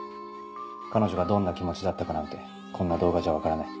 彼女がどんな気持ちだったかなんてこんな動画じゃ分からない。